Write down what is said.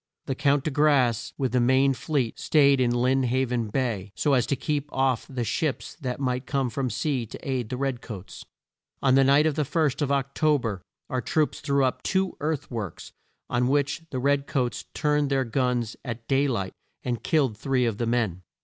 The Count de Grasse, with the main fleet, staid in Lynn Haven Bay so as to keep off the ships that might come from sea to aid the red coats. On the night of the first of Oc to ber our troops threw up two earth works, on which the red coats turned their guns at day light and killed three of the men.